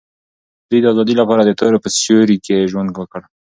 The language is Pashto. دوی د آزادۍ لپاره د تورو په سیوري کې ژوند وکړ.